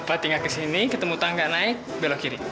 bapak tinggal ke sini ketemu tangga naik belok kiri